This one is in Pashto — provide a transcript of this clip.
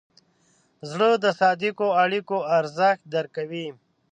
زړه د صادقو اړیکو ارزښت درک کوي.